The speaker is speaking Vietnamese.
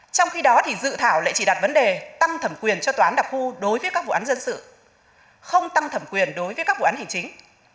trong khi đó dự thảo lại chỉ đặt vấn đề tăng thẩm quyền cho tòa án đặc khu đối với các vụ án dân sự không tăng thẩm quyền đối với các vụ án hành chính